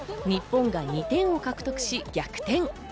日本が２点を獲得し、逆転。